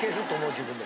自分で。